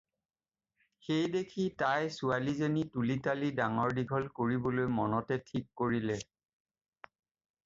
সেইদেখি তাই ছোৱালীজনী তুলি-তালি ডাঙৰ-দীঘল কৰিবলৈ মনতে ঠিক কৰিলে।